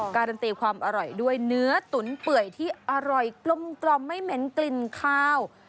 การันตีความอร่อยด้วยเนื้อตุ๋นเปื่อยที่อร่อยกลมไม่เหม็นกลิ่นข้าว